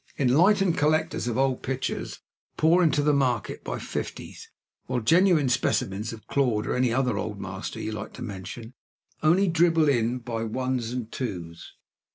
Enlightened collectors of old pictures pour into the market by fifties, while genuine specimens of Claude, or of any other Old Master you like to mention, only dribble in by ones and twos.